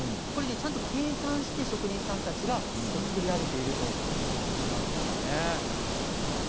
これはちゃんと計算して職人さんたちが作り上げているんです。